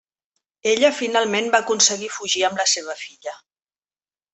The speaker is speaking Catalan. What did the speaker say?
Ella finalment va aconseguir fugir amb la seva filla.